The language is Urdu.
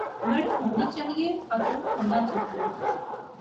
مرد ہونی چاہئے خاتون ہونا چاہئے